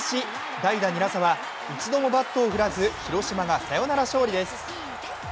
代打・韮澤は一度もバットを振らず、広島がサヨナラ勝利です。